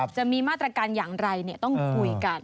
จะมีมาตรการอย่างไรต้องคุยกัน